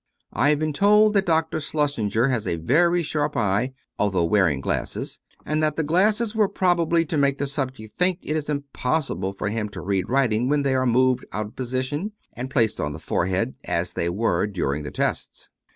I have been told that Dr. Schlossenger had a very sharp eye, although wearing glasses; and that the glasses were probably to make the subject think it impossible for him to read writing when they were moved out of position and placed on the forehead, as they were during the tests.